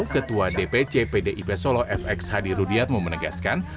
ketua dpc pdip solo fx hadi rudiat memenegaskan